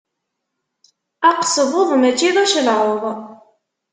Aqesbuḍ mačči d acelɛuḍ.